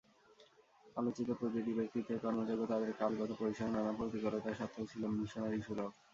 আলোচিত প্রতিটি ব্যক্তিত্বের কর্মযজ্ঞ তাঁদের কালগত পরিসরে নানা প্রতিকূলতা সত্ত্বেও ছিল মিশনারিসুলভ।